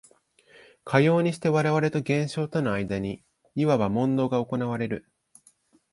かようにして我々と現象との間にいわば問答が行われる。